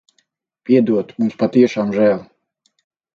Piedod. Mums patiešām žēl.